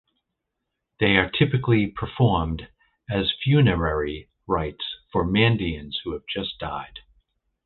They are typically performed as funerary rites for Mandaeans who have just died.